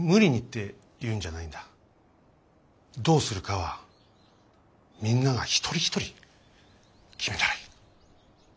どうするかはみんなが一人一人決めたらいい。